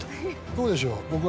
どうでしょう。